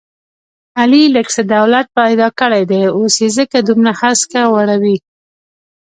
علي لږ څه دولت پیدا کړی دی، اوس یې ځکه دومره هسکه وړوي...